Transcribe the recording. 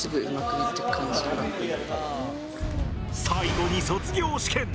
最後に卒業試験。